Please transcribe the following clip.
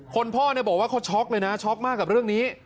พ่อบอกว่าเขาช็อกเลยนะช็อกมากกับเรื่องนี้